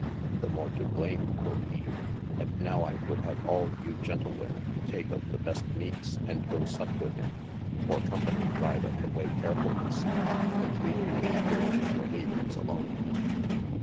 The more to blame quod he, and now I would have al you gentlewomen take of the best meates and goe suppe with him, for company driveth away carefulnesse, and leave you me here with your leavinges alone.